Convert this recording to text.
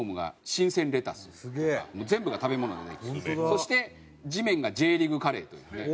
そして地面がＪリーグカレーというね。